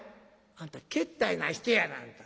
「あんたけったいな人やな。